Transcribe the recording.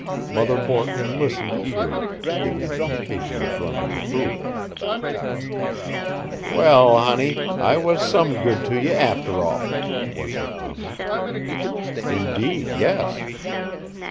Mother Borton listened eagerly, giving an occasional grunt of approval. "Well, honey; I was some good to ye, after all," was her comment. "Indeed, yes."